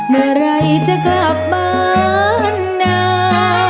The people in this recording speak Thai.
เมื่อไหร่จะกลับบ้านนา